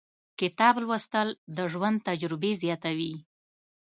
• کتاب لوستل، د ژوند تجربې زیاتوي.